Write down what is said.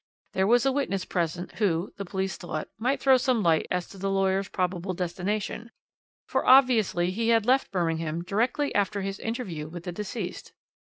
There was a witness present who, the police thought, might throw some light as to the lawyer's probable destination, for obviously he had left Birmingham directly after his interview with the deceased.